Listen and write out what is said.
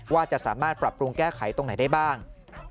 ว่าจะสามารถปรับปรุงแก้ไขตรงไหนได้บ้าง